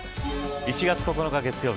１月９日月曜日